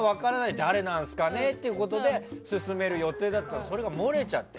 誰なんですかねってことで進める予定だったのが漏れちゃって。